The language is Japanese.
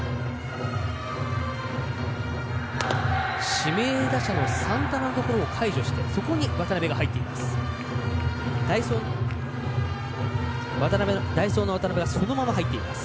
指名打者のサンタナを解除してそこに渡邉が入っています。